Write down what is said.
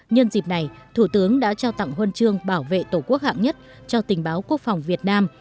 nhân dịp này thủ tướng đã trao tặng huân chương bảo vệ tổ quốc hạng nhất cho tình báo quốc phòng việt nam